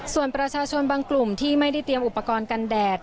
ส่วนประชาชนบางกลุ่มที่ไม่ได้เตรียมอุปกรณ์กันแดด